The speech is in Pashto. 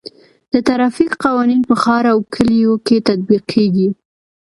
د ټرافیک قوانین په ښار او کلیو کې تطبیق کیږي.